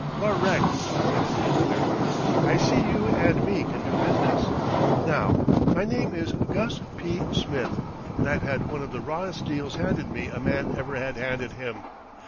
"Correct!" said his visitor. "I see you and me can do business. Now, my name is Gus P. Smith, and I've had one of the rawest deals handed me a man ever had handed him.